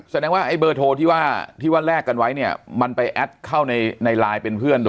แสดงว่าไอ้เบอร์โทรที่ว่าที่ว่าแลกกันไว้เนี่ยมันไปแอดเข้าในไลน์เป็นเพื่อนโดย